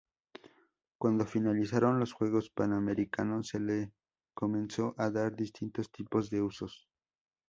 Cuando finalizaron los Juegos Panamericanos, se le comenzó a dar distintos tipos de usos.